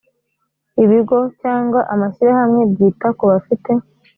ibigo cyangwa amashyirahamwe byita ku bafite